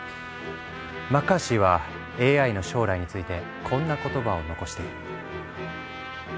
マッカーシーはＡＩの将来についてこんな言葉を残している。